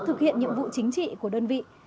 thực hiện nhiệm vụ chính trị của đơn vị